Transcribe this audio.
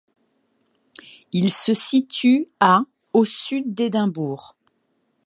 Il se situe à au sud d'Édimbourg.